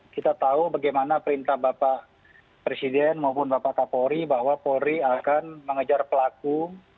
kita tahu bagaimana perintah bapak presiden maupun bapak kapolri bahwa polri akan mengejar pelaku